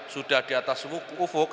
sudah di atas ufuk